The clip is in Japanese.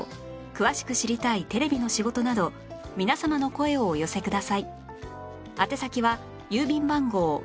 詳しく知りたいテレビの仕事など皆様の声をお寄せください